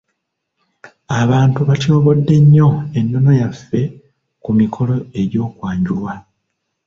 Abantu batyobodde nnyo ennono yaffe ku mikolo egy'okwanjulwa.